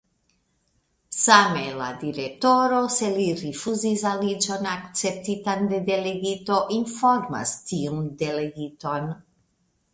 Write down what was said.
Same la Direktoro, se li rifuzis aliĝon akceptitan de Delegito, informas tiun Delegiton.